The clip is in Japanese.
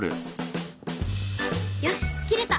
よし切れた！